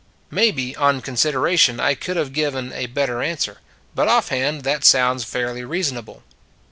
Maybe, on consideration, I could have given a better answer; but offhand that sounds fairly reasonable.